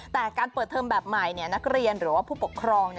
แต่การเปิดเทอมแบบใหม่นักเรียนหรือว่าผู้ปกครอง